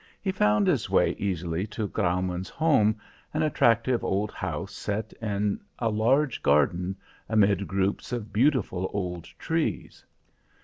He found his way easily to Graumann's home, an attractive old house set in a large garden amid groups of beautiful old trees.